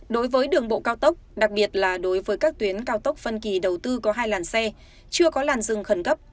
đối với đường bộ cao tốc đặc biệt là đối với các tuyến cao tốc phân kỳ đầu tư có hai làn xe chưa có làn dừng khẩn cấp